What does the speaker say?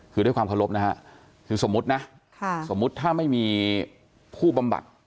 คือด้วยความเคารพนะฮะคือสมมุตินะสมมุติถ้าไม่มีผู้บำบัด